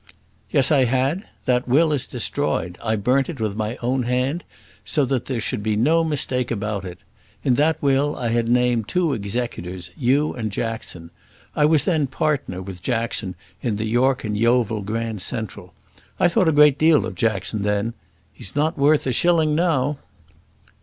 "Yes, I had. That will is destroyed. I burnt it with my own hand, so that there should be no mistake about it. In that will I had named two executors, you and Jackson. I was then partner with Jackson in the York and Yeovil Grand Central. I thought a deal of Jackson then. He's not worth a shilling now."